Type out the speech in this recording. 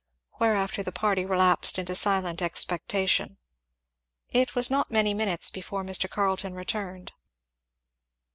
Whereafter the party relapsed into silent expectation. It was not many minutes before Mr. Carleton returned.